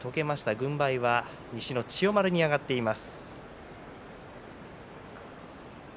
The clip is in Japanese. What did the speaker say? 軍配は西の千代丸に上がっています。